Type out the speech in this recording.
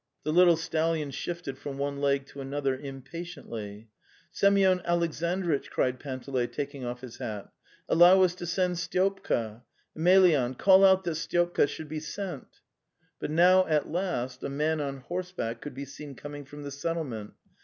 The little stallion shifted from one leg to another impatiently. '"Semyon Alexandritch!"' cried Panteley, taking off his hat. " Allow us to send Styopka! Emelyan, call out that Styopka should be sent." But now at last a man on horseback could be seen coming from the settlement.